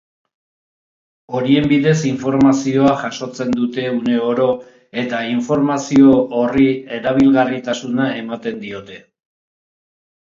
Horien bidez informazioa jasotzen dute uneroro eta informazio horri erabilgarritasuna ematen diote.